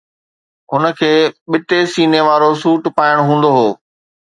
هن کي ٻٽي سيني وارو سوٽ پائڻ هوندو هو.